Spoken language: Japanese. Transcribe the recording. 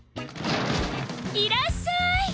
いらっしゃい。